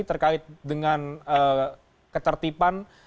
terkait dengan ketertiban